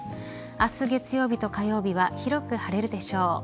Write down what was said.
明日、月曜日と火曜日は広く晴れるでしょう。